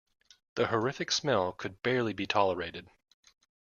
The horrific smell could barely be tolerated.